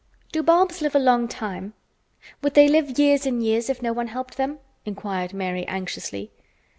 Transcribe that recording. "Do bulbs live a long time? Would they live years and years if no one helped them?" inquired Mary anxiously.